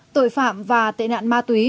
tội phạm và tệ nạn ma túy